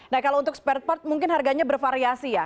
nah kalau untuk spare part mungkin harganya bervariasi ya